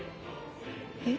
えっ？